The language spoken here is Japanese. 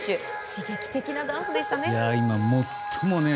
刺激的なダンスでしたね。